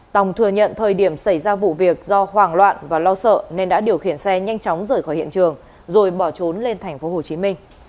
tòng thừa nhận thời điểm xảy ra vụ việc do hoảng loạn và lo sợ nên đã điều khiển xe nhanh chóng rời khỏi hiện trường rồi bỏ trốn lên tp hcm